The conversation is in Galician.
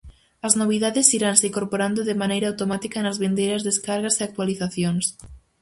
As novidades iranse incorporando de maneira automática nas vindeiras descargas e actualizacións.